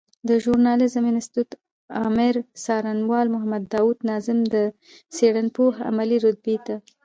د ژورناليزم انستيتوت آمر څېړنوال محمد داود ناظم د څېړنپوه علمي رتبې ته